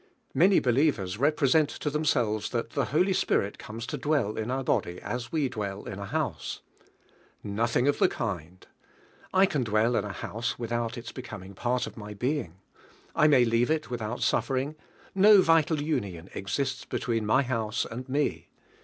Many believ xiivjme healing. era represent to themselves that Hie Holy Spirit comes lo dwell in our body as we dwell in a lifiusi \ NotMng of Ihe kind. I cam dwell in a. honsewifhout its becoming part of my being. T may leave it without suffering; no vital union exists between mj bouse and me.